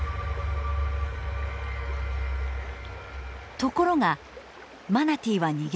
ところがマナティーは逃げません。